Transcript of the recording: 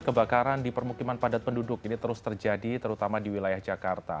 kebakaran di permukiman padat penduduk ini terus terjadi terutama di wilayah jakarta